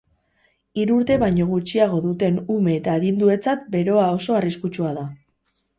Hiru urte baino gutxiago duten ume eta adinduentzat beroa oso arriskutsua da.